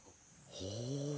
ほう。